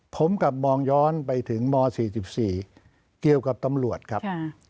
ผมกลับมองย้อนไปถึงม๔๔เกี่ยวกับตำรวจครับ